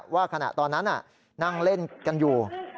ว่าขณะตอนนั้นนั่งเล่นกันอยู่